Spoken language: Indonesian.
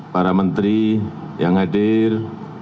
para menteri yang hadir